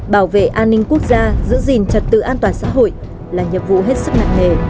bảo vệ an ninh quốc gia giữ gìn trật tự an toàn xã hội là nhiệm vụ hết sức nặng nề